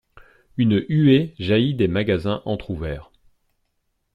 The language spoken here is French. Une huée jaillit des magasins entr'ouverts.